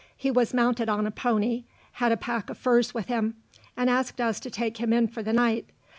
He was mounted on a pony, had a pack of furs with him, and asked us to take him in for the night.